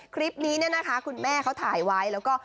คลิปนี้เนี่ยนะคะคุณแม่เขาถ่ายไว้แล้วก็